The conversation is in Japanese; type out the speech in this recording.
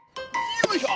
よいしょ。